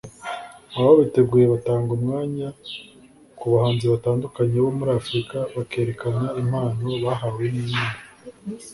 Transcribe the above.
ababiteguye batanga umwanya ku bahanzi batandukanye bo muri Afrika bakerekana impano bahawe n’Imana